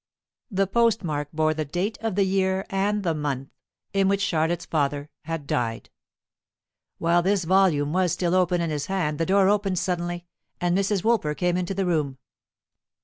The postmark bore the date of the year and the month in which Charlotte's father had died. While this volume was still open in his hand the door opened suddenly, and Mrs. Woolper came into the room.